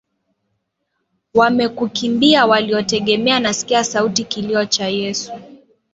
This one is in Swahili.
Wamekukimbia uliowategemea Nasikia sauti kilio cha Yesu